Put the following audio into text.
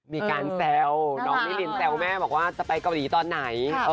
มีการแซวน้องนิรินแซวแม่บอกว่าจะไปเกาหลีตอนไหน